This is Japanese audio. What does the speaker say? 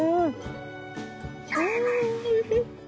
おいしい！